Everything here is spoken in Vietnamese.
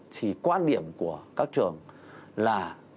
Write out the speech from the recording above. thì quan điểm của các trường là